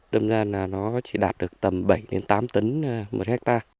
đâm ra là nó chỉ đạt được tầm bảy tám tấn một hectare